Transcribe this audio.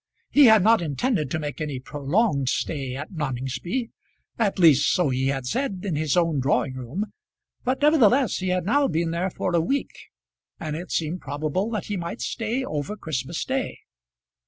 He had not intended to make any prolonged stay at Noningsby, at least so he had said in his own drawing room; but nevertheless he had now been there for a week, and it seemed probable that he might stay over Christmas day.